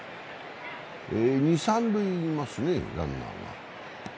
二・三塁にいますね、ランナーが。